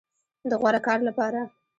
د غوره کار لپاره